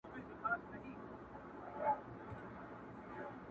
o خو وجدان يې نه پرېږدي تل,